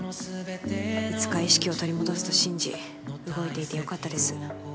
いつか意識を取り戻すと信じ動いていてよかったです